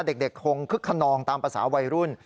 เด็กคงคึกขนองตามภาษาวัยรุ่น